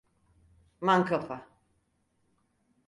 Mankafa!